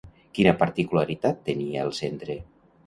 Quina particularitat tenia el centre?